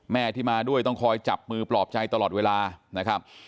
แม่ที่มาด้วยต้องคอยจับมือปลอบใจตลอดเวลานะครับ